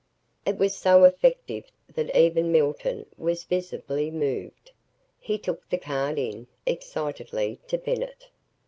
It was so effective that even Milton was visibly moved. He took the card in, excitedly, to Bennett.